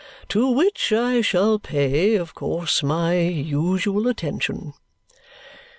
"To which I shall pay, of course, my usual attention."